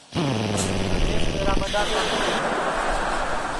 رمیش میرا ٻڈؔا ساڈوُ ہے